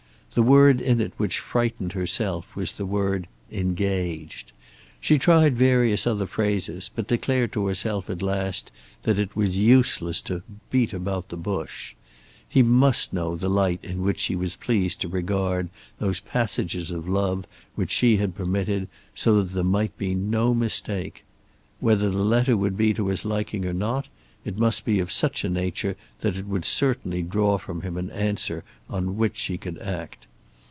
The word in it which frightened herself was the word "engaged." She tried various other phrases, but declared to herself at last that it was useless to "beat about the bush." He must know the light in which she was pleased to regard those passages of love which she had permitted so that there might be no mistake. Whether the letter would be to his liking or not, it must be of such a nature that it would certainly draw from him an answer on which she could act.